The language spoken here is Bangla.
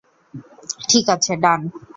ঠিক আছে, ডান।